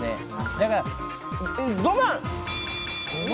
だから５万？